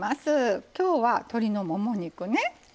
今日は鶏のもも肉ね。